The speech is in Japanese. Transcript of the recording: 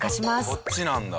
こっちなんだ。